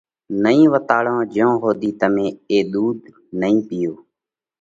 نئين وتاڙو جئيون ۿُوڌِي تمي اي ۮُوڌ نئين پِيئو۔